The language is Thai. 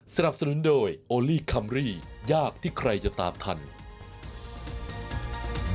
สนับสนุนโดยโอลี่คัมรี่ยากที่ใครจะตามทัน